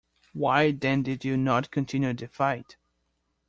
Why then did you not continue the fight?